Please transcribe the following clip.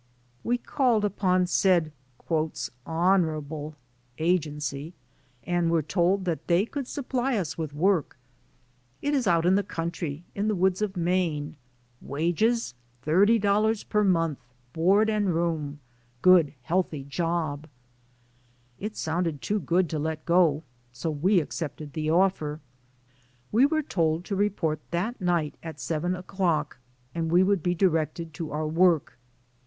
We called upon said "honorable" agency and were told that they could supply us with work. "It is out in the country, in the woods of Maine. Wages $30 per month, board and room. Good, healthy job." It sounded too good to let go, so we accepted the offer. We were told to report that night at seven o'clock and we would be directed to our work.